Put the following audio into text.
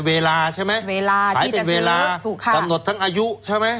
เวลาใช่ไหมเวลาขายเป็นเวลาถูกค่ะกำหนดทั้งอายุใช่ไหม